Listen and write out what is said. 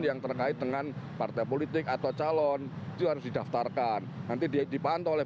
yang terkait dengan partai politik atau calon itu harus didaftarkan nanti dipantau oleh